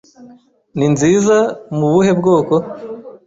Ni nziza mu buhe bwoko